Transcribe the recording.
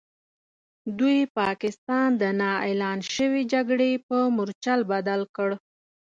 دوی پاکستان د نا اعلان شوې جګړې په مورچل بدل کړ.